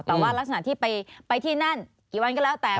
แต่ว่ารักษณะที่ไปที่นั่นกี่วันก็แล้วแต่